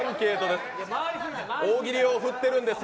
大喜利を振ってるんです。